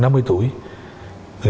thì lúc này tôi mới